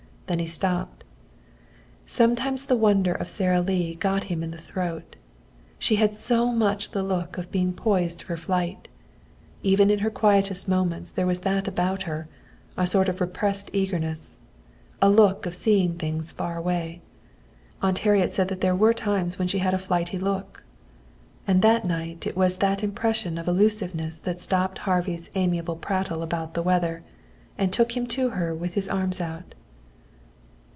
Then he stopped. Sometimes the wonder of Sara Lee got him in the throat. She had so much the look of being poised for flight. Even in her quietest moments there was that about her a sort of repressed eagerness, a look of seeing things far away. Aunt Harriet said that there were times when she had a "flighty" look. And that night it was that impression of elusiveness that stopped Harvey's amiable prattle about the weather and took him to her with his arms out.